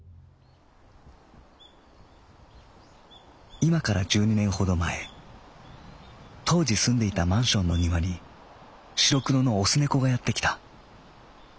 「いまから十二年ほど前当時住んでいたマンションの庭に白黒の雄猫がやってきた。